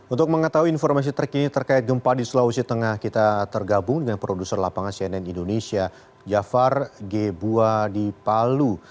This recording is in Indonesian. untuk mengetahui informasi terkini terkait gempa di sulawesi tengah kita tergabung dengan produser lapangan cnn indonesia jafar gebua di palu